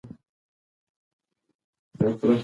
بزګر خپلو دوستانو ته د دې عجیبه کیسې په اړه معلومات ورکړل.